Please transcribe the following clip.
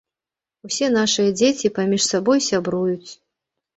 Усе нашыя дзеці паміж сабой сябруюць.